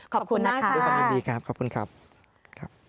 ขอบคุณนะคะด้วยความยินดีครับขอบคุณครับครับ